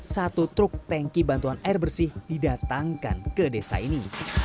satu truk tanki bantuan air bersih didatangkan ke desa ini